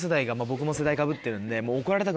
僕も世代かぶってるんでもう。